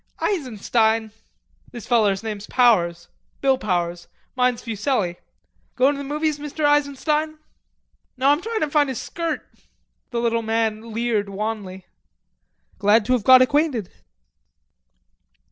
"Eisenstein." "This feller's name's Powers.... Bill Powers. Mine's Fuselli.... Goin' to the movies, Mr. Eisenstein?" "No, I'm trying to find a skirt." The little man leered wanly. "Glad to have got ackwainted."